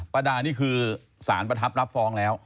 ประดานี่คือสารประทับรับฟ้องแล้ว